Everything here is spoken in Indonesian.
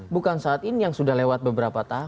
bukan saat ini yang sudah lewat beberapa tahap